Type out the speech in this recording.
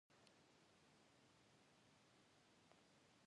Gibbsboro is governed under the Borough form of New Jersey municipal government.